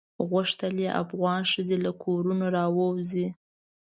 غوښتل یې افغان ښځې له کورونو راووزي.